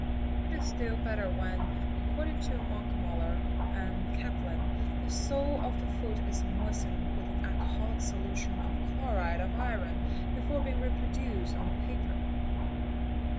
| It is still better when (according to Ménkeméller & Kaplan ®) the sole of the foot is moistened with an alcoholic solution of chloride of iron before being reproduced on the paper.